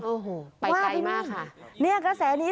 โอ้โฮไปใกล้มากค่ะว่าไปนี่เนี่ยกระแสนี้